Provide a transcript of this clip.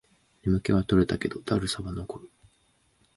眠気は取れたけど、だるさは残る